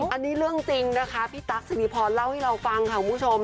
อันนี้เรื่องจริงนะคะพี่ตั๊กสิริพรเล่าให้เราฟังค่ะคุณผู้ชม